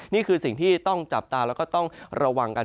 นี่คือสิ่งที่ต้องจับตาแล้วก็ต้องระวังกัน